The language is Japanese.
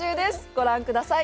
ご覧ください。